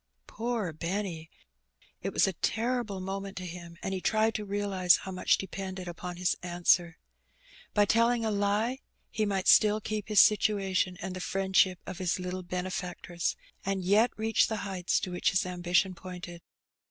Poor Benny ! It was a terrible moment to him, and he tried to realize how much depended upon his answer. By A Tekrible Alternative. 161 telling a lie he might still keep his situation and the friend ship of his little benefactress, and yet reach the heights to which his ambition pointed.